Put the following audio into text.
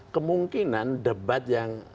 kemungkinan debat yang